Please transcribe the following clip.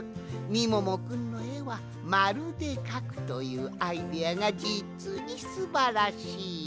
みももくんのえはまるでかくというアイデアがじつにすばらしい。